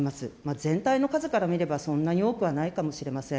全体の数から見れば、そんなに多くはないかもしれません。